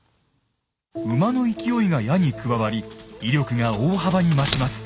馬の勢いが矢に加わり威力が大幅に増します。